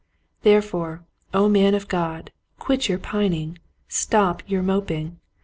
Therefore, O man of God, quit your pining. Stop your moping.